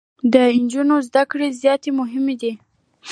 د انجونو زده کړي زياتي مهمي دي.